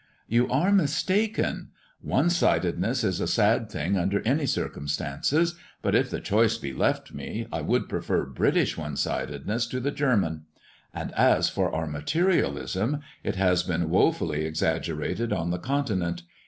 "You are mistaken. One sidedness is a sad thing under any circumstances; but if the choice be left me, I would prefer British one sidedness to the German. And as for our materialism, it has been wofully exaggerated on the continent.